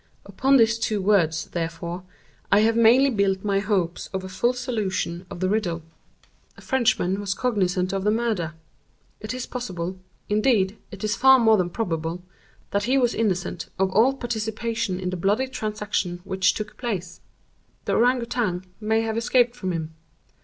Upon these two words, therefore, I have mainly built my hopes of a full solution of the riddle. A Frenchman was cognizant of the murder. It is possible—indeed it is far more than probable—that he was innocent of all participation in the bloody transactions which took place. The Ourang Outang may have escaped from him.